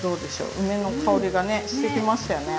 梅の香りがねしてきましたよね。